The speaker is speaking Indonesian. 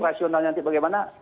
operasionalnya nanti bagaimana